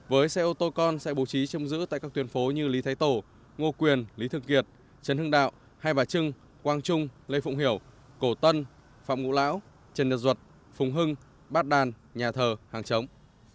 với xe ô tô con sẽ bố trí chông giữ tại các tuyến phố như lý thái tổ ngô quyền lý thực kiệt trần hưng đạo hai bà trưng quang trung lê phụng hiểu cổ tân phạm ngũ lão trần nhật duật phùng hưng bát đàn nhà thờ hàng chống